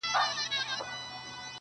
خو هيڅ حل نه پيدا کيږي-